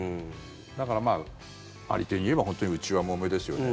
だから、有り体に言えば本当に内輪もめですよね。